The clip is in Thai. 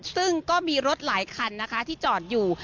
ซึ่งก็มีรถหลายคันนะคะที่จอดอยู่